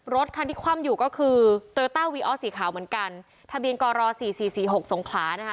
รถคันที่คว่ำอยู่ก็คือโตต้าวีออสสีขาวเหมือนกันทะเบียนกรสี่สี่หกสงขลานะคะ